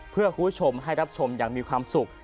เพื่อคุณผู้ชมให้รับชมอย่างมีความสุข